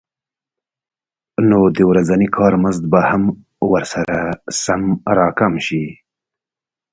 نو د ورځني کار مزد به هم ورسره سم راکم شي